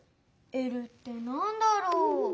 「Ｌ」ってなんだろう？